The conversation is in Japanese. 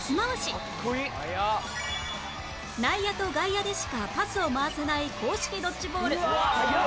内野と外野でしかパスを回せない公式ドッジボール